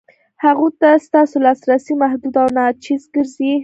هغو ته ستاسو لاسرسی محدود او ناچیز ګرځي.